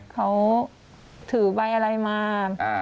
เขาถือใบอะไรมา